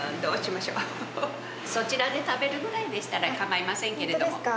そちらで食べるぐらいでしたら構いませんけども。